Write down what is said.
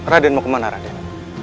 raden mau kemana raden